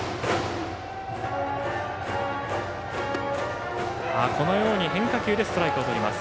今のように変化球でストライクをとります。